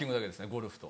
ゴルフと。